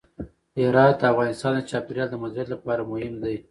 هرات د افغانستان د چاپیریال د مدیریت لپاره مهم دی.